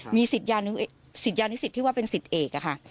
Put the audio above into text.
มีสิทธิ์ยานิสิทธิ์ที่ว่าเป็นสิทธิ์เอกนะคะ